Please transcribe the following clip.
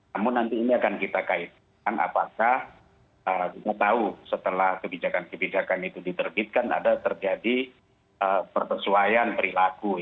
namun nanti ini akan kita kaitkan apakah kita tahu setelah kebijakan kebijakan itu diterbitkan ada terjadi perpesuaian perilaku